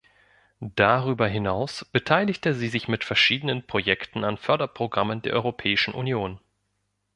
Darüber hinaus beteiligte sie sich mit verschiedenen Projekten an Förderprogrammen der Europäischen Union.